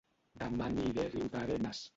Dema aniré a Riudarenes